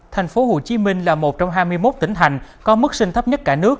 tp hcm là một trong hai mươi một tỉnh thành có mức sinh thấp nhất cả nước